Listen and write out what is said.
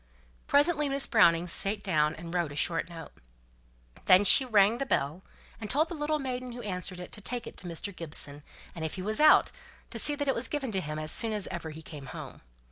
Presently Miss Browning sate down and wrote a short note. Then she rang the bell, and told the little maiden who answered it to take it to Mr. Gibson, and if he was out to see that it was given to him as soon as ever he came home.